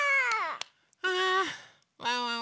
ああワンワン